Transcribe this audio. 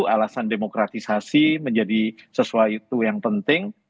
alasan demokratisasi menjadi sesuai itu yang penting